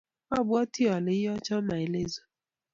abwatii ale iyocho maelezo.